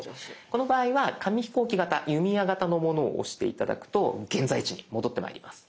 この場合は紙飛行機型弓矢型のものを押して頂くと現在地に戻ってまいります。